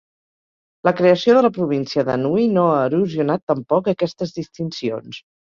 La creació de la província d'Anhui no ha erosionat tampoc aquestes distincions.